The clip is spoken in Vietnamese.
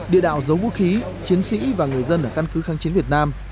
địa đạo giấu vũ khí chiến sĩ và người dân ở căn cứ kháng chiến việt nam